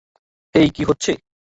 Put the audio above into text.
হেই কি হচ্ছে?